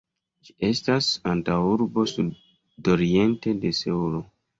Ĝi estas antaŭurbo sudoriente de Seulo.